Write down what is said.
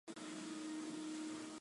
此场地禁止吸烟。